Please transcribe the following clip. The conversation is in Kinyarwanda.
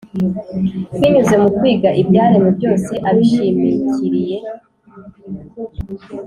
binyuze mu kwiga ibyaremwe byose abishimikiriye,